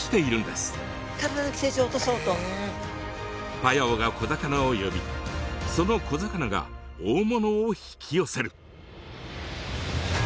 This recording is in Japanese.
パヤオが小魚を呼びその小魚が大物を引き寄せる。